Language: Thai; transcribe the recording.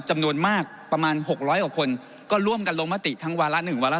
จำนวนมากประมาณ๖๐๐กว่าคนก็ร่วมกันลงมติทั้งวาระ๑วาระ